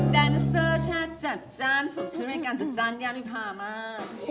แดนเซอร์ฉันจัดจ้านสมชื่อในการจัดจ้านยานพิพามาก